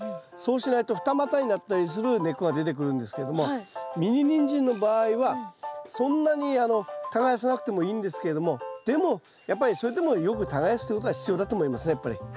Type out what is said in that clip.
そうしないと二股になったりする根っこが出てくるんですけどもミニニンジンの場合はそんなに耕さなくてもいいんですけれどもでもやっぱりそれでもよく耕すってことは必要だと思いますねやっぱり。